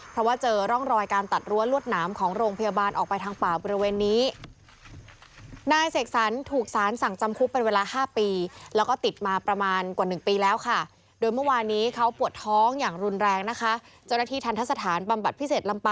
เพราะว่าเจอร่องรอยการตัดรั้วลวดหนามของโรงพยาบาลออกไปทางป่าบริเวณนี้